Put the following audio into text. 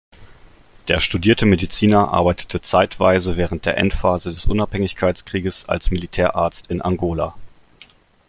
Der studierte Mediziner arbeitete zeitweise während der Endphase des Unabhängigkeitskriegs als Militärarzt in Angola.